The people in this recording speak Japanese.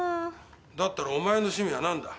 だったらお前の趣味は何だ？